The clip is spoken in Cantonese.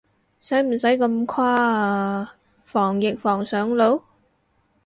使唔使咁誇啊，防疫防上腦？